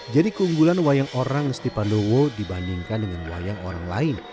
jadi keunggulan wayang orang ngesti pandowo dibandingkan dengan wayang orang lain